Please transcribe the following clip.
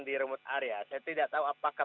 di area terdekat saya tidak tahu apakah